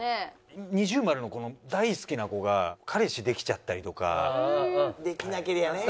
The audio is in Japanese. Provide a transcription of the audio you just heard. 二重丸の大好きな子が彼氏できちゃったりとか。できなけりゃね！